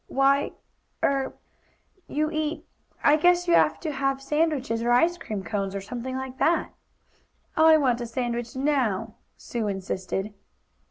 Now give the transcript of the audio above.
"Why er you eat I guess you have to have sandwiches, or ice cream cones, or something like that." "I want a sandwich now!" Sue insisted.